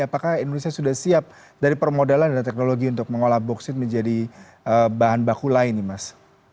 apakah indonesia sudah siap dari permodalan dan teknologi untuk mengolah bauksit menjadi bahan baku lain nih mas